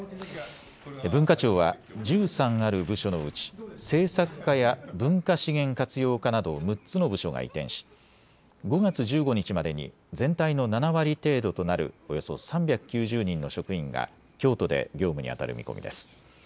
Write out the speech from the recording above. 文化庁は１３ある部署のうち政策課や文化資源活用課など６つの部署が移転し５月１５日までに全体の７割程度となるおよそ３９０人の職員が京都で業務に当たる見込みです。